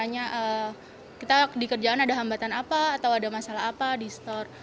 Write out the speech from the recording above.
hanya kita di kerjaan ada hambatan apa atau ada masalah apa di store